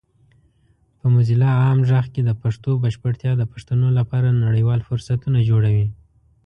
په موزیلا عام غږ کې د پښتو بشپړتیا د پښتنو لپاره نړیوال فرصتونه جوړوي.